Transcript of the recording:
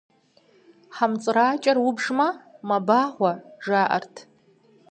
Хьэмцӏыракӏэр убжмэ, мэбагъуэ, жаӏэрт.